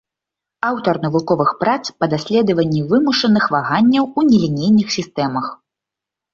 Аўтар навуковых прац па даследаванні вымушаных ваганняў у нелінейных сістэмах.